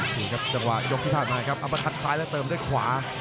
นี่ครับจังหวะยกที่ผ่านมาครับเอามาทัดซ้ายและเติมด้วยขวา